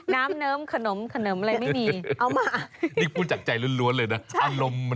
นี่พูดจากใจเรียบร้อยเลยนะเป็นอะไร